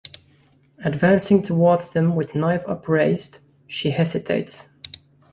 Advancing towards them with knife upraised, she hesitates.